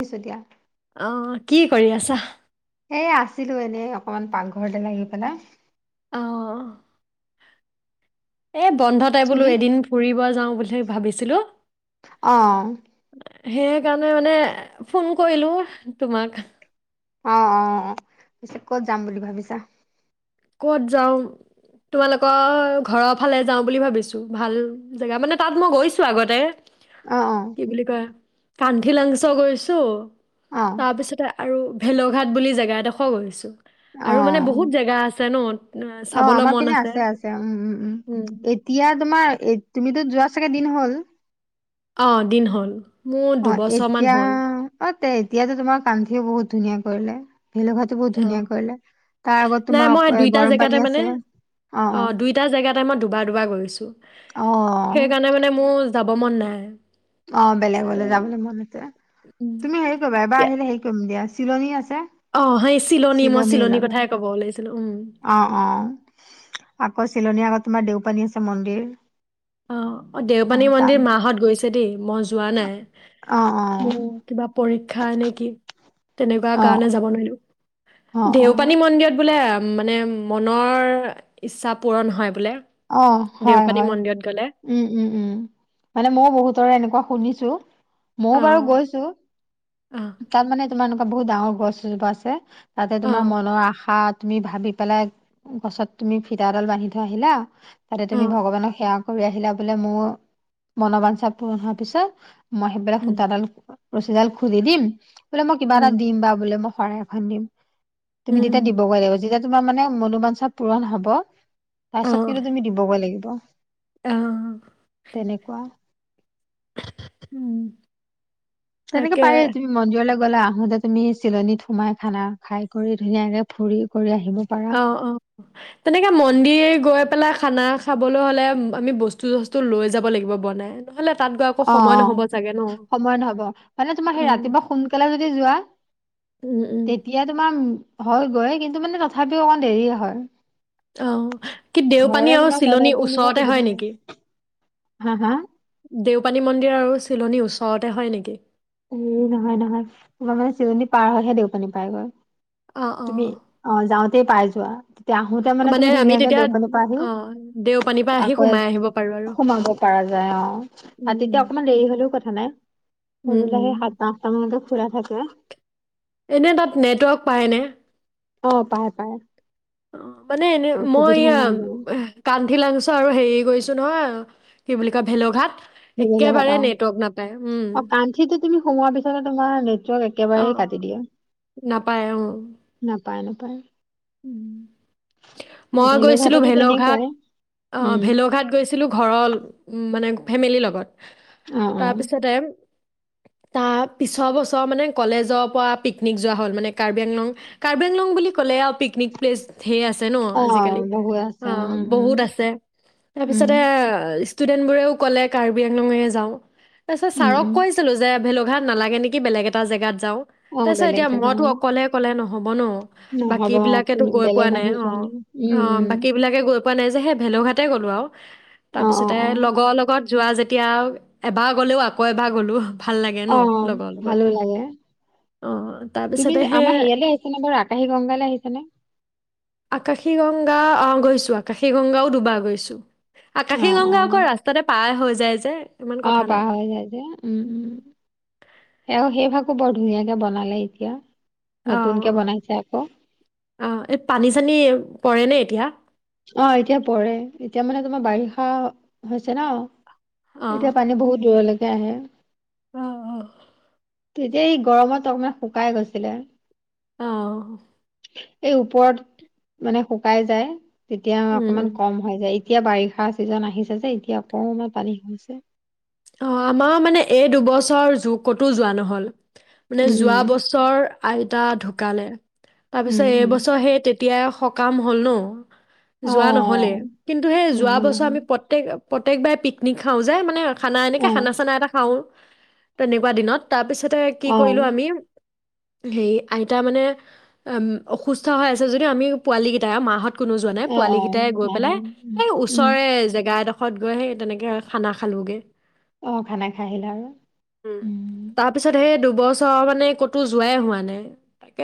পিছো দিয়া [unintelligible] কি কৰি আছাঃ এ আছিলো এনেই অকমান পাকঘৰতে লাগি পেলাই। অঃ এই, [unintelligible] বন্ধতে বোলো তুমি? এদিন ফুৰিব যাওঁ বুলি। ভাবিছিলো অ' সেইকাৰনে মানে ফোন কৰিলোঁ তোমাক, অ' অ' অ' পিছে কত যাম বুলি ভাবিছা? ক'ত যাওঁ! তোমালোকৰ ঘৰৰ ফালে যাওঁ বুলি ভাবিছোঁ ভাল জেগা মানে তাত মই গৈছো আগতে। অ অ কি বুলি কয়? কানঠীলাংচৌ গৈছো, অ তাৰপিছতে, আৰু ভেলৌঘাট বুলি জেগা এদখ গৈছো। অ আৰু মানে বহুত জেগা আছে। ন আহ, অ' চাবলৈ আমাৰ মন পিনে আছে আছে উম উম উম এতিয়া তোমাৰ তুমিতো, যোৱা চাগে দিন হ'ল অ দিন হ'ল মোৰ অ' দুবছৰমান এতিয়া হ'ল, অ তে এতিয়াতো তোমাৰ কান্ধিও বহুত ধুনীয়া হ'লে, ভেলৌঘাট টো বহুত অ', ধুনীয়া কৰিলে তাৰ আগত নাই মই তোমাৰ দুইটা গৰম জেগাতে পানী আছে মানে অ অ' দুইটা জেগাতে মই দুবাৰ দুবাৰ গৈছোঁ অ সেইকাৰণে মানে মোৰ যাব মন নাই, অ' বেলেগলৈ যাবলৈ মন আছে উম। তুমি হেৰি কৰিবা এইবাৰ ইয়া- আহিলে হেৰি কৰিম দিয়া। চিলনী আছ অ সেই চিলনী মই চিলনীৰ কথাই কব ওলাই অ অ আকৌ চিলনীৰ আগত তোমাৰ দেওপানী আছে মন্দিৰ, অ' অ' দেওপানী মন্দিৰ মাহত গৈছে দেই মই যোৱা নাই অ অ মোৰ কিবা পৰীক্ষা নে কি তেনেকুৱা অ কাৰণে যাব নোৱাৰিলো অ অ দেউপানী মন্দিৰত বোলে মানে মনৰ ইচ্ছা পূৰণ হয় বোলে। অ' হয় দেওপানী হয়! মন্দিৰত গ'লে উম উম উম মানে ময় বহুতৰে এনেকুৱা অ শুনিছো মইও অ বাৰু গৈছো অ তাত মানে তোমা এনেকুৱা বহুত ডাঙৰ [unintelligible] তাতে অ তোমাৰ মনৰ আশা তুমি ভাবি পেলাই গছত তুমি ফিতাডাল বান্ধি থৈ আহিলা তাতে অ তুমি ভগৱানক সেৱা কৰি আহিলা বোলে মোৰ মনোবাঞ্ছা পূৰণ হোৱাৰ পিছত মই সেইবিলাক উম সূতাডাল ৰচীডাল খুল, দিদিম বোলে মই কিবা এটা উম দিম বা বোলে মহ শৰাই এখন দিম তুমি উম যেতিয়া উম দিব লাগিব লাৰিব যেতিয়া তোমাৰ মানে মনোমাঞ্চা পূৰণ হব অ পাছত কিন্তু তুমি দিবগৈ লাগিব বহ অ' তেনেকুৱা উম! তেনেকে তাকে পায়ে তুমি মন্দিৰলৈ। বলা আহোতে তুমি চিলনীত সোমাই খানা খাই কৰি ধুনীয়াকে ফুৰি কৰি আহি অ' অ' তেনেকে মন্দিৰ গৈ পেলাই খানা খাবলৈ হ'লে আমি বস্তু চস্তু লৈ যাব লাগিব বনাই নহ'লে তাত গৈ আকৌ সময় অ' নহ'ব চাগে ন সময় নহব, মানে তোমাৰ সেই অঁ ৰাতিপুৱা সোনকালে যদি যোৱা উম উম তেতিয়া তোমাৰ হয় গৈ কি ন্তু মানে তথাপিও অকণমান দেৰিয়ে হয়। অ' কি দেওপানী ঘৰতে আৰু তোমাৰ বনাই চিলনী কৰি নিলে ওচৰতে সুবিধা হয় নেকি? হা হা দেওপানী মন্দিৰ আৰু চিলনী ওচৰতে হয় নেকি? এই নহয় নহয়, তোমাৰ মানে চিলনী পাৰ হয়হে দেউপানী পায়গৈ। অঁ তুমি অঁ অ' যাওঁ তেই পাইযোৱা তেতিয়া আহোতে মানে তুমি আমি ধুনীয়াকে তেতিয়া দেওপানীৰ পৰা আহি অঁ দেওপানীৰ পৰা আহি আকৌ সোমাই আহিব পাৰোঁ আৰু সোমাব পাৰা যায়, অ তাত উম তেতিয়া উম অকমান দেৰি হ'লেও কথা নাই। উম উম [unintelligible] সাতটা আঠটা মা [unintelligible] খোলা থাকে। এনে তাত নেটৱৰ্ক পায়নে? অ' পায় পায়। অ' মানে এনে মই এয়া বাৰু কান্থিলাংছ' আৰু হেৰি গৈছো নহয় কি বুলি কয় ভেলুঘাট সেইবিলাকত আও, অ কাণ্ঠিতটো তুমি সোমোৱাৰ পিছতে তোমাৰ নেটৱৰ্ক অ একেবাৰেই কাটি দিয়ে। নাপায় অ নাপায় না পায়। মই গৈছিলো ভেলুঘাটতো ভেলুঘাট, তেনেকুৱাই অ উম ভেলুঘাট গৈছিলো ঘৰৰ [unintelligible] উ মানে ফেমিলিৰ লগত। অ অ তাৰপিছতে তাৰপিছৰ বছৰ মানে কলেজৰ পৰা পিকনিক যোৱা হ'ল মানে কাৰ্বি আংলং, কাৰ্বি আংলং বুলি ক'লে আৰু পিক নিক প্লেছ ঢেই আছে ন অ আজিকালি, বহুত আছে অ উম উম বহুত আছে তাৰপিছতে ষ্টুডেণ্টবোৰেও ক'লে কাৰ্বি আংলঙেই যাওঁ। তাৰপিছত উম উম ছাৰক উম কৈছিলো যে ভেলু ঘাট নালাগে নেকি, বেলেগ এটা জেগাত যাওঁ, অ তাৰপিছত বেলেগ এতিয়া জেগা মইতো উম অকলে ক'লে ন হ'ব ন? বাকী নহ'ব বিলাক এইটো কোনো গৈ বেলেগ পোৱা নাই মানুহ অ, যোৱা অ উম উম বাকীবিলাকে গৈ পোৱা নাই যে হে ভেলুঘাটেই গ'লো আৰু অ অ তাৰপিছতে লগৰ লগত যোৱা যেতিয়া এবাৰ গ'লেও আকৌ এবাৰ গ'লো। ভাল লাগে ন অ লগৰ লগত ভালো লাগে অঁ তুমি তাৰপিছতে সেই আমাৰ হেৰিয়ালে আহিছা নে বাৰু আকাশী গংগালৈ আহিছা? আকাশী গং- গা, অ', গৈছোঁ আকাশী গংগাও দুবাৰ গৈছোঁ। অ আকাশী অ গংগা আকৌ ৰাস্তাতে পাৰ হৈ যায় যে ইমান অ', কথা পাৰ নাই হৈ যায় যে, উম, উম, সে-সেই ভাগো বৰ ধুনীয়াকে বনালে এতিয়া অ নতুনকে বনাইছে আকৌ অ এই পানী চানী পৰে ন এতিয়া অ', এতিয়া পৰে, এতিয়া মানে তোমাৰ বাৰিষা হৈ-হৈছে ন'। অ'। এতিয়া পানী বহুত দূৰৰ লে সেয়াহে অ', অ'। তেতিয়া এই গৰমত অকণমান শুকাই গৈছিলে। অ'। এই ওপৰত মানে শুকাই যায়। তেতিয়া উম, অকমান উম, কম হৈ যায়‌ এ এতিয়া বাৰিষাৰ ছিজন আহিছে যে, এতিয়া অকণমান পানী হৈছে। অ', আমাৰ মানে এই দুবছৰ যু-ক'তো যোৱা নহ'ল। মানে যোৱা উম বছৰ আইতা ঢুকালে, উম তাৰপিছত উম উম এইবছৰ সেই তে তিয়াই সকাম হ'ল ন? অ যোৱা নহ'লেই, কিন্তু সেই যোৱা নহ'লে বছৰ আমি প্ৰত্যেক প্ৰত্যেকবাৰে পিকনিক খাওঁ যে মানে খানা এনেকে অ খানা-চানা এটা খাওঁ। তেনেকুৱা দিনত। তাৰ পিছত তে কি অ কৰিলো আমি, হেই আইতা মানে, উম অসুস্থ হৈ আছে যদি আমি পোৱালি কেইটা মাহত কোনো যোৱা নাই। অ পোৱালি অ কেইটাই গৈ নাহে পেলাই, উম এই উম ওচৰৰে জেগা এডখ ষত গৈ সেই তেনেকে খানা খালোগে। অ খানা খাই আহিলা আৰু। উম। তাৰপিছত সেই দুবছৰ মানে ক'তো যোৱাই হোৱা নাই। তাকে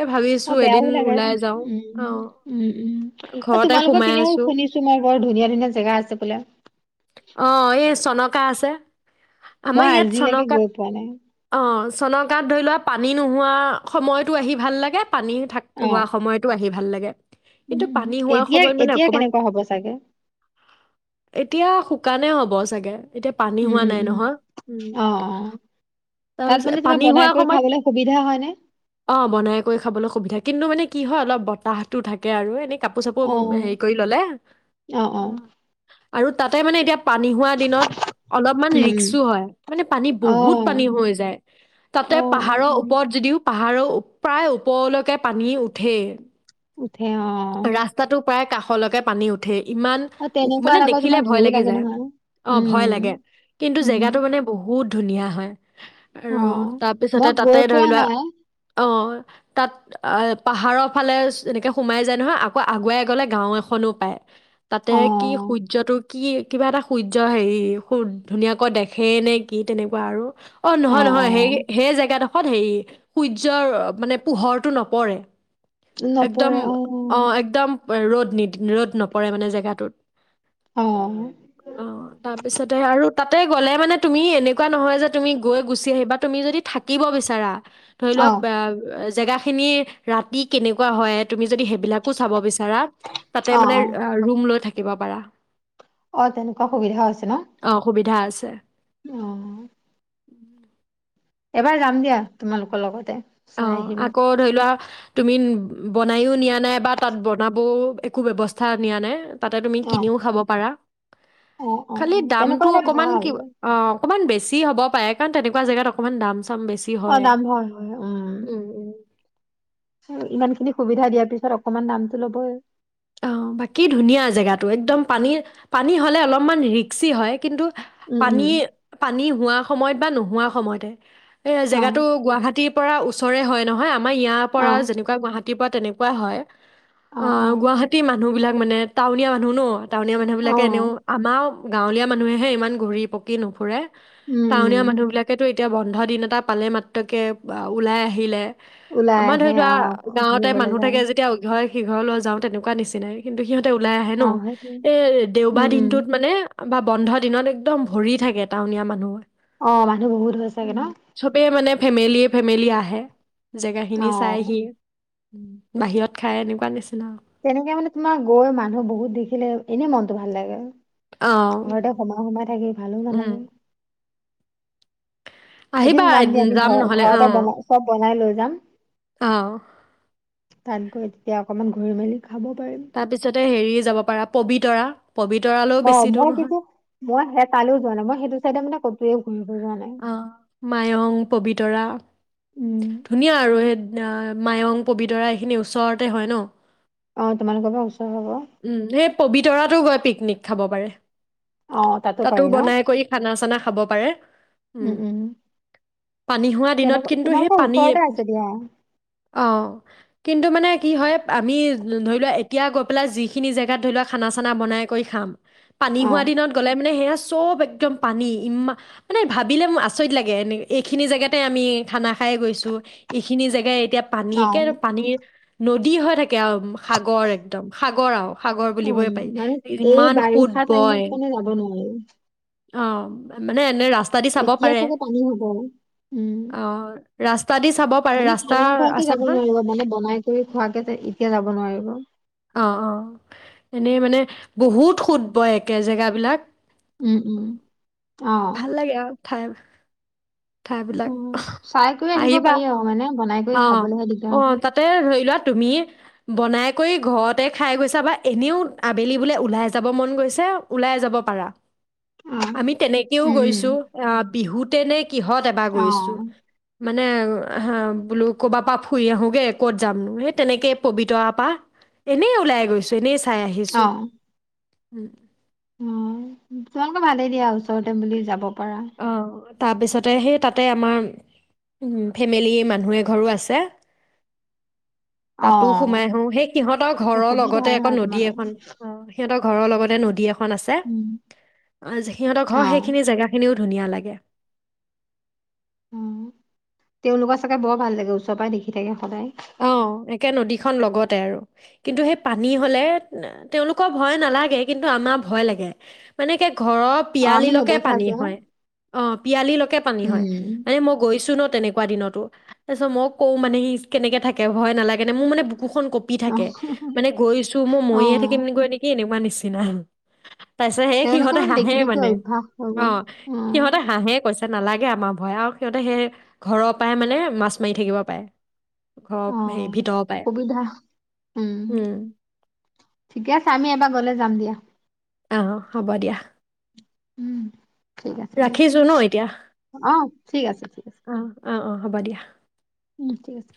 অ ভাবিছোঁ বেয়াও এদিন লাগে। ওলাই যাওঁ। উম, অ' উম উম। ঘৰতে তোমালোকৰ সোমাই পিনেও আছোঁ। শুনিছো মই বৰ ধুনীয়া ধুনীয়া জেগা আছে বোলে। কা আছে। আমাৰ মই ইয়াত আজিলৈকে চনকাত গৈ পোৱা নাই। অ' চনকাত ধৰি লোৱা পানী নোহোৱা সময়টো আহি ভাল লাগে। পানী থাক অ কোৱা সময়তো আহিম। ভাল লাগে। উম, কিন্তু উম, পানী হোৱা এতিয়া সময়ত মানে এতিয়া অকমান কেনেকুৱা হ'ব চাগে। কাৰণে হ'ব চাগে এতিয়া পানী উম হোৱা উম নাই উম নহয় অ', তাৰ তাত পিছত মানে তোমাৰ পানী বনাই হোৱা কৰি সময়ত খাবলৈ সুবিধা হয়নে? অ', বনাই কৰি খাবলৈ সুবিধা কিন্তু মানে কি হয় অলপ বতাহটো থাকে আৰু এনেকে কাপোৰ চাপু অ, উম, হেৰি কৰি ল'লে। অ, অ, আৰু তাতে মানে এতিয়া পানী হোৱা দিনত অলপমান উম, উম, ৰিক্সো হয় মানে পানী অ, বহুত পানী হৈ যায়, অ, অ, তাতে পাহাৰৰ উম, ওপৰত যদিও পাহাৰৰ প্ৰায় ওপৰলৈকে পানী উঠে। উঠে অ', অ', অ'। কাষলৈকে পানী উঠেই। ইমান উ মানে তেনেকুৱাত আকৌ দেখিলে তোমাৰ ভয় ভয়ো লাগি লাগে যায় নহয়। অ ভয় উম, লাগে কিন্তু উম, জায়গাটো মানে বহু বহুত ধুনীয়া হয়। অ, আৰু তাৰপিছতে মই তাতে গৈ ধৰি পোৱা লোৱা নাই। অ' তাত অ পাহাৰৰ ফালে এনেকে সোমাই যায় নহয় আকৌ আগুৱাই গ'লে গাঁও এখনো পায়। তাতে অ, কি সূৰ্যটোক কি কিবা এটা সূৰ্য হেৰি খুব ধুনীয়াকৈ দেখে নে কি তেনেকুৱা আৰু, অ' নহয় নহয় সেই সেই জেগাত অ হেৰি সূৰ্যৰ মানে পোহৰটো নপৰে, একদম অ একদম ৰ'দ নিধ ৰ'দ নপৰে মানে জেগাটোত, অ, অ' তাত আৰু তাতে গ'লে মানে তুমি এনেকুৱা নহয় যে তুমি গৈ গুচি আহিবা তুমি যদি থাকিব বিচাৰা। ধৰি অ, লোৱা বে জেগা খিনি ৰাতি কেনেকুৱা হয় তুমি যদি সেইবিলাকো চাব বিচ ৰা তাতে মানে অ ৰুম লৈ থাকি দিব পাৰা অ' তেনেকুৱা সুবিধা আছে ন ছে অ' উম! এবাৰ যাম দিয়া তোমালোক লগতে, চাই অ' আহিম। আকৌ ধই লোৱা তুমি বনাইও নিয়া নাই বা তাত বনাবও একো বেৱস্থা নিয়া নাই, তাতে তুমি অ, কিনিও খাব পাৰা, অ, অ, খালি অ, তেনেকুৱা দামটো হ'লে অকমান ভাল কিৱা অ' অকমান বেছি হ'ব পাএ কাঅণ তেনেকুৱা জেগাত অকমান দাম ম্ বেছি অ, হয় দাম হয়, উম উম! [inaudible] ইমান খিনি সুবিধা দিয়া পিছত অকমান দামটো ল'বই অ' বাকী ধুনীয়া জেগাটো একদম পানী পানী হ'লে অলপমান ৰিক্সি হয় কিন্তু উম পানী উম পানী হোৱা সময়ত বা নোহোৱা সময়তে এ অ জেগাতো গুৱাহাটী পৰা ওচৰে হয় নহয় আমা ইয়া অ পৰা যেনেকুৱা গুৱাহাটী পআ তেনেকুৱা হয়, অ' গুৱাহাট মানুহ বিলাক মানে টাউনীয়া মানুহ ন টাউনীয়া মানুহ অ বিলাকে এনেও আমাও গাঁৱলীয়া মানুহেহে ইমান ঘূৰি পকি নুফুৰে, উম উম টাউনীয়া মানুহ বিলাকেতো এতিয়া বন্ধ দিন এটা পালে মাত্ৰকে বাওলাই আহিলে, ওলাই আমা আহে ধই লোৱা অ গাঁৱতে ঘুৰিবলৈ মানুহ যায় থাকে যেতিয়া উঘয়ে সিঘলেও যাওঁতে নিচিনাই কিন্তু সিহঁতে ওলাই আহে ন অ সেইটোৱে এ-এ দেওবা উম উম দিনটোত মানে বা বন্ধ দিনত একদম ভৰি থাকে টাউনীয়া মানুহয়ে অ' মানুহ বহুত হৈ চাগে ন ফেমেলিয়ে ফেমিলি আহে, জেগাখিনি অ চাইহি, বাহিঅত খাই এনেকুৱা নিচ তেনেকে মানে তোমা গৈ মানুহ বহুত দেখিলে এনে মনটো ভাল লাগে অ' ঘৰতে সোমাই সোমাই থাকি ভালো উম, নালাগে এদিন যাম দিয়া ঘৰ-ঘৰতে বনাই চব বনাই লৈ যাম। যাম। অহ, তাত গৈ তেতিয়া অকণমান ঘূৰি মেলি। খাব পাৰিম তাৰ পিছতে হেৰি যাব পাৰা পবিতৰা। পবিতৰালৈও অ বেছি দূৰ মই কিন্ত নহয় মই হে তালৈ যোৱা নাই মই সেইটো চাইদে মানে কতোৱেই অ', মায়ং পবিত তৰা উম ধুনীয়া আৰু সেই, মায়ং পবিতৰা এইখিনি ওচৰতে হয় ন। অ' তোমালোকৰ পৰা ওচ উম [unintelligible] পবিতৰাটো গৈ পিকনিক খাব পাৰে। অ তাতো পাৰি ন বনাই কৰি খানা চানা খাব পাৰে। উম পানী হোৱা দিনত তেনেকুৱা কিন্তু সেই তোমালোকৰ পানী ওচৰতে আছে দিয়া অ' কিন্তু মানে কি হয় আমি ধৰি লোৱা এতিয়া গৈ পেলাই যি সেইখিনি জেগাত ধৰি লোৱা খানা চানা বনাই কৰি খাম। পানী অ হোৱা দিনত গ'লে মানে সেয়া চব একদম পানী ইমান মানে ভাবিলে আচৰিত লাগে এনে এইখিনি জেগাতে আমি খানা খাই গৈছোঁ। এইখিনি জেগাই এতিয়া পানী অ একে আৰু পানীৰ নদী হৈ থাকে আও সাগৰ একদম সাগ কৰাওঁ। উম, মানে এই সোঁত বাৰিষা বয় টাইমত মানে যাব নোৱাৰি। অ', মানে এনে ৰাস এতিয়া চাগে পানী হ'ব উম, অ', ৰাস্তা দি চাব পাৰে মানে ৰাস্তা খানা খোৱাকে আছে যাব নহয় নোৱাৰিব মানে বনাই কৰি খোৱাকে এতিয়া যাব নোৱাৰিব। অ' অ'এনেই মানে বহুত সোঁত বয় একে জেগাবিলাক। উম, উম, অ'। ভাল লাগে আৰু ঠাই। ঠাইবিলাক উম চাই কৰি আহিব পাৰি আৰু মানে বনাই কৰি অ' খাবলৈহে দিগদাৰ অ' হ'ব তাতে ধৰি লোৱা তুমি বনাই কৰি ঘৰতে খাই গৈছা বা এনেও আবেলি বোলে ওলাই যাব মন গৈছে, ওলাই যাব পাৰা। অ আমি তেনেকেও উম উম গৈছো আঃ বিহুত তেনেক কিহত এবাৰ অ গৈছো। মানে আ হা বোলো ক'বাপা ফুৰি আহোগে ক'ত যামনো, এই তেনেকে পবিত্ৰৰা পা এনেই ওলাই গৈছো এনেই। চাই অ আহিছোঁ। উম। অ। তোমোকক ভালেই দিয়া ওচৰতে বুলি যা যাব। পাৰা অ', তাৰ‌ পিছতে সেই তাত তাতে আমাৰ, ফেমিলি মানুহ এঘৰো আছে। তাতো অ সোমাই আহো সেই সিহঁতৰ তে ঘৰৰ লগতে সুবিধাই আকৌ হয় নদী তোমালোকৰ এখন। অ', সিহঁতৰ ঘৰৰ লগতে নদী এখ খন আছে উম, সিহঁতৰ অ ঘৰ সেইখিনি জেগা। ধুনীয়া লাগে। উম, তেওঁলোকৰ চাগে বৰ ভাল লাগে ওচৰ পৰা দেখি থাকে। সদায় অ', একে নদীখন লগতে আৰু। কিন্তু সেই পানী হলে তেওঁলোকৰ ভয় নালাগে কিন্তু আমাৰ ভয় লাগে মানে কে ঘৰৰ অ আমি পিয়ালিলকে নেদেখা পানী যে হয়। অ', পিয়ালিলকে পানী হয়। উম মানে মই গৈছো ন তেনেকুৱা দিনতো, তাৰ পিছত মই কওঁ মানে ইছ কেনেকে থাকে ভয় নালাগে নে মোৰ মানে বুকুখন কঁপি অ থাকে, মানে গৈছো মই অ মৰিয়ে থাকিম গৈ নেকি এনেকুৱা নিচি [inaudible] তাৰ পিছত হেই তেওঁলোকে সিহঁতে মানে দেখি হাঁহে দেখি মানে অভ্যাস হৈ গ'ল অ', সিহঁতে হাঁহে কৈছে। নালাগে আমাৰ ভয় আৰু সিহঁতে সেই ঘৰৰ পাই মানে মাছ মাৰি থাকিব পাৰে। ঘৰৰ অ হেৰি ভিতৰ সুবিধা পায় উম। ঠিকে আছে আমি এবা গলে যাম দিয়া। আহ হ'ব দিয়া। উম ঠিক আছে দিয়া ৰাখিছো ন এতিয়া অ ঠিক আছে ঠিক আছে অ' অ' অ'। হ'ব দিয়া। উম ঠিক আছে।